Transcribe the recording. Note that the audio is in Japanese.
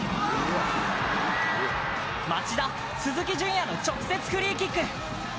町田・鈴木準弥の直接フリーキック。